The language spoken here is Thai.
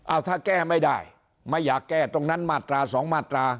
เอาถ้าแก้ไม่ได้ไม่อยากแก้ตรงนั้นมาตราสองมาตรา